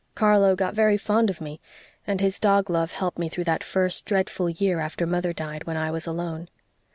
Carlo got very fond of me and his dog love helped me through that first dreadful year after mother died, when I was alone.